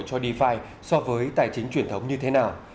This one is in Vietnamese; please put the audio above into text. cho dfi so với tài chính truyền thống như thế nào